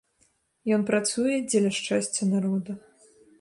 Ён працуе дзеля шчасця народа.